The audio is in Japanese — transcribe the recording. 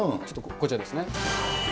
こちらですね。